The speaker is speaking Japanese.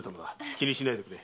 気にしないでくれ。